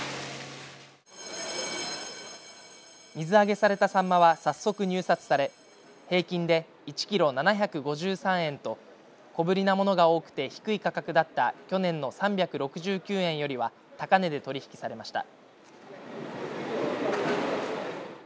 水揚げされたさんまは早速、入札され平均で１キロ７５３円と小ぶりなものが多くて低い価格だった去年の３６９円よりは高値で取引されました。